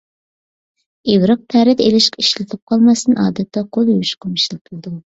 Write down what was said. ئىۋرىق تەرەت ئېلىشقا ئىشلىتىلىپ قالماستىن، ئادەتتە قول يۇيۇشقىمۇ ئىشلىتىلىدۇ.